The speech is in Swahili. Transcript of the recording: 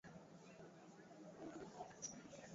Palilia viazi ili kuupa mmea nguvu ya kutambaa vizuri